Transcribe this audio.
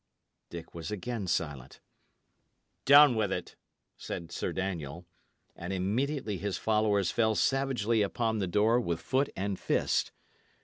Dick was again silent. "Down with it," said Sir Daniel. And immediately his followers fell savagely upon the door with foot and fist.